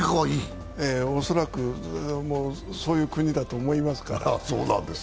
恐らくそういう国だと思いますから。